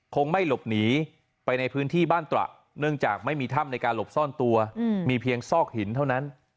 คงไม่หลบหนีไปในพื้นที่บ้านตระเนื่องจากไม่มีถ้ำในการหลบซ่อนตัวมีเพียงซอกหินเท่านั้น